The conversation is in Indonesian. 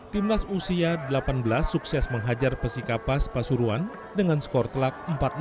tim nas u delapan belas sukses menghajar persikapas pasuruan dengan skor telak empat